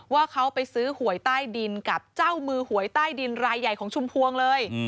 ว่าเขาไปซื้อหวยใต้ดินกับเจ้ามือหวยใต้ดินรายใหญ่ของชุมพวงเลย